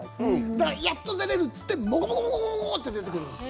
だから、やっと出れるっていってモコモコモコモコって出てくるんです。